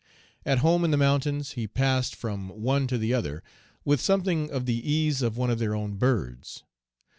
At home in the mountains, he passed from one to the other with something of the ease of one of their own birds.